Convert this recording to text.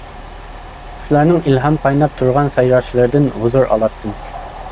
قۇشلارنىڭ ئىلھام قايناپ تۇرغان سايراشلىرىدىن ھۇزۇر ئالاتتىم.